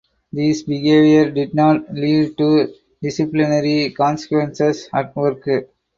These behaviors did not lead to disciplinary consequences at work.